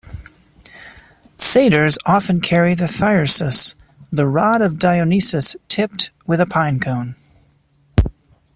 Satyrs often carry the thyrsus: the rod of Dionysus tipped with a pine cone.